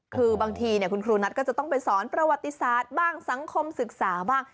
คือบางทีคุณครูนัทก็จะต้องไปสอนประวัติศาสตร์บ้างสังคมศึกษาบ้าง